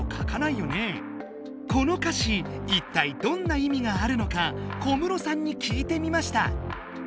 この歌詞いったいどんな意味があるのか小室さんに聞いてみました。